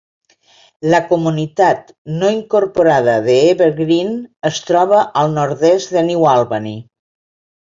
La comunitat no incorporada d'Evergreen es troba al nord-est de New Albany.